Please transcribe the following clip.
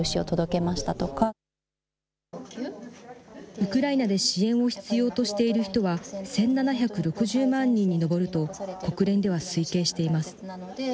ウクライナで支援を必要としている人は１７６０万人に上ると、国連では推計しています。